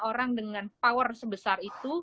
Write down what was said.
orang dengan power sebesar itu